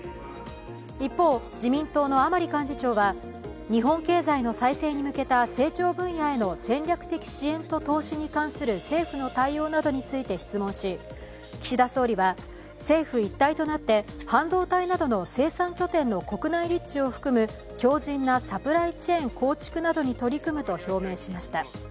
一方、自民党の甘利幹事長は日本経済の再生に向けた成長分野への戦略的支援と投資に関する政府の対応などについて質問し岸田総理は、政府一体となって半導体などの生産拠点の国内立地を含む強じんなサプライチェーン構築などに取り組むと表明しました。